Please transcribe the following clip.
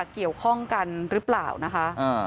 เกี่ยวข้องกันหรือเปล่านะคะ